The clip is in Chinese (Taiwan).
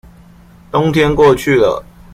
冬天過去了